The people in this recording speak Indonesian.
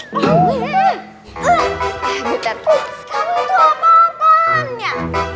kami tuh apa apaannya